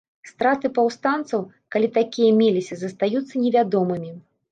Страты паўстанцаў, калі такія меліся, застаюцца невядомымі.